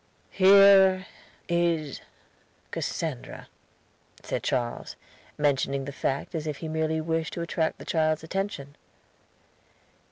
"Here is Cassandra," said Charles, mentioning the fact as if he merely wished to attract the child's attention.